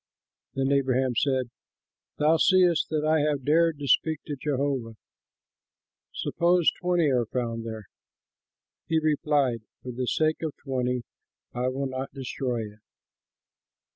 Then Abraham said, "Thou seest that I have dared to speak to Jehovah. Suppose twenty are found there?" He replied, "For the sake of twenty I will not destroy it."